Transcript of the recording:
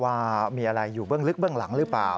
ว่ามีอะไรอยู่เบื้องลึกเบื้องหลังหรือเปล่า